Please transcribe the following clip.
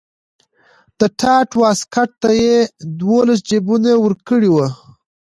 د ټاټ واسکټ ته یې دولس جیبونه ورکړي وو.